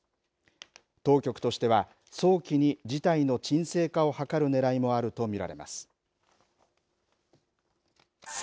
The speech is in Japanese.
当局としては早期に事態の鎮静化を図るねらいもあると見られます。